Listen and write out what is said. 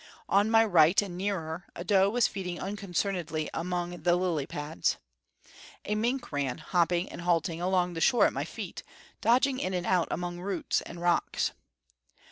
On my right, and nearer, a doe was feeding unconcernedly among the lily pads. A mink ran, hopping and halting, along the shore at my feet, dodging in and out among roots and rocks.